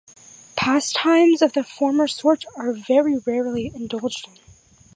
Pastimes of the former sort are very rarely indulged in.